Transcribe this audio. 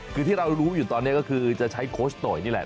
คือที่เรารู้อยู่ตอนนี้ก็คือจะใช้โค้ชโตยนี่แหละ